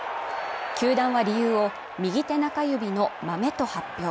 球団は理由を右手中指のマメと発表。